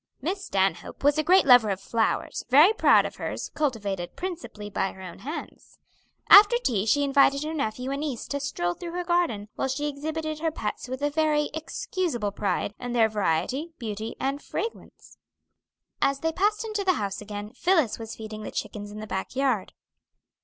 Miss Stanhope was a great lover of flowers, very proud of hers, cultivated principally by her own hands. After tea she invited her nephew and niece to a stroll through her garden, while she exhibited her pets with a very excusable pride in their variety, beauty, and fragrance. As they passed into the house again, Phillis was feeding the chickens in the back yard.